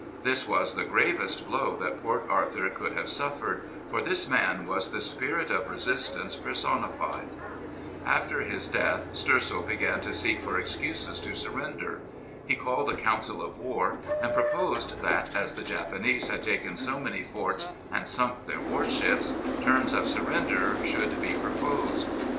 This was the gravest blow that Port Arthur could have suffered, for this man was the spirit of resistance personified. After his death Stoessel began to seek for excuses to surrender. He called a council of war, and proposed that, as the Japanese had taken so many forts and sunk their warships, terms of surrender should be proposed.